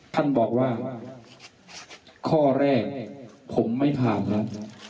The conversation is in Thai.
ท่านบอกว่าข้อแรกผมไม่ผ่านแล้ว